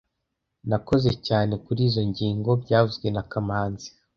Nakoze cyane kurizoi ngingo byavuzwe na kamanzi